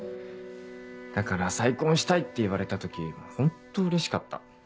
だから再婚したいって言われた時ホントうれしかった。